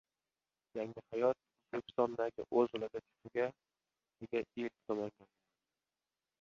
Yangihayot O‘zbekistondagi o‘z logotipiga ega ilk tumanga aylandi